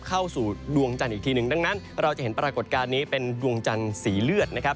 เข้าสู่ดวงจันทร์อีกทีหนึ่งดังนั้นเราจะเห็นปรากฏการณ์นี้เป็นดวงจันทร์สีเลือดนะครับ